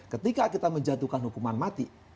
ketika kita menjatuhkan hukuman mati